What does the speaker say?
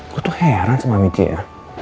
gua tuh heran sama michi ya